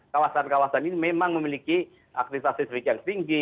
kawasan kawasan ini memang memiliki aktivitas listrik yang tinggi